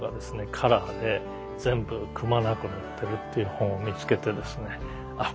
カラーで全部くまなく載ってるという本を見つけてですねあっ